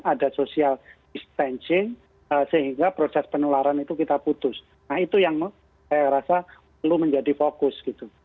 ada social distancing sehingga proses penularan itu kita putus nah itu yang saya rasa perlu menjadi fokus gitu